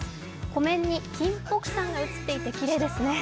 湖面に山が映っていてきれいですね。